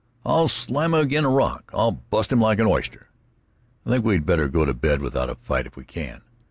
"I'll slam him ag'in' a rock; I'll bust him like a oyster." "I think we'd better go to bed without a fight, if we can."